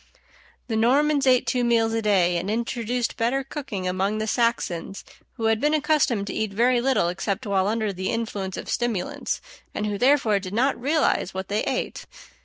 The Normans ate two meals a day, and introduced better cooking among the Saxons, who had been accustomed to eat very little except while under the influence of stimulants, and who therefore did not realize what they ate.